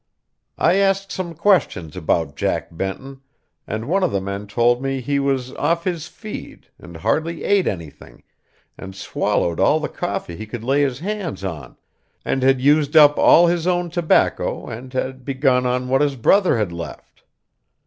I asked some questions about Jack Benton, and one of the men told me that he was off his feed, and hardly ate anything, and swallowed all the coffee he could lay his hands on, and had used up all his own tobacco and had begun on what his brother had left.